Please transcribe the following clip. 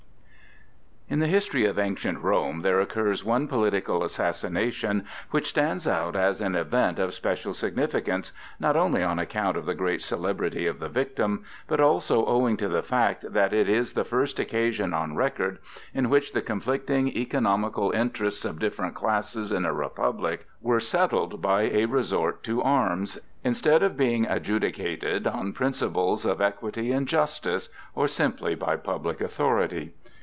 IN the history of ancient Rome there occurs one political assassination which stands out as an event of special significance, not only on account of the great celebrity of the victim, but also owing to the fact that it is the first occasion on record in which the conflicting economical interests of different classes in a republic were settled by a resort to arms, instead of being adjudicated on principles of equity and justice, or simply by public authority.